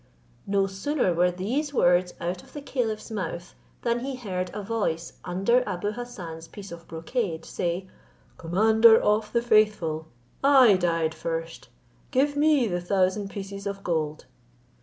No sooner were these words out of the caliph's mouth, than he heard a voice under Abou Hassan's piece of brocade say, "Commander of the faithful, I died first, give me the thousand pieces of gold."